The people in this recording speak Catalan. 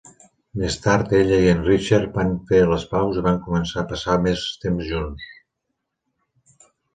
Més tard ella i en Richard van fer les paus i van començar a passar més temps junts.